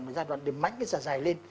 mà giai đoạn để mánh cái dài dài lên